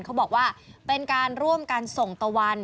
เขาบอกว่าเป็นการร่วมกันส่งตะวัน